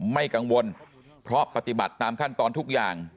ไม่กังวลเพราะปฏิบัติตามขั้นตอนทุกอย่าง